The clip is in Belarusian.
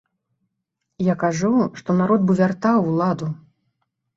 Я кажу, што народ бы вяртаў уладу.